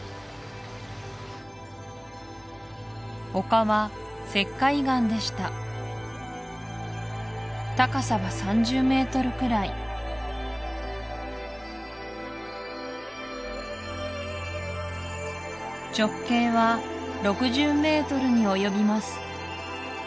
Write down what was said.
丘は石灰岩でした高さは３０ｍくらい直径は６０ｍに及びます